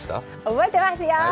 覚えてますよ。